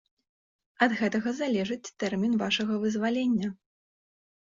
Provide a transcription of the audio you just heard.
Ад гэтага залежыць тэрмін вашага вызвалення.